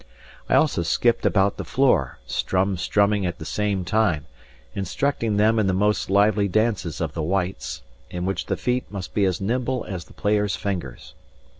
I also skipped about the floor, strum strumming at the same time, instructing them in the most lively dances of the whites, in which the feet must be as nimble as the player's fingers.